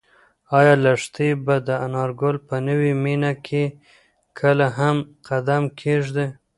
ایا لښتې به د انارګل په نوې مېنه کې کله هم قدم کېږدي؟